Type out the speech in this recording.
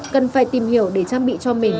cần phải tìm hiểu để trang bị cho mình